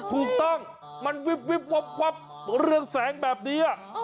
ถูกต้องมันวิบวับเรื่องแสงแบบนี้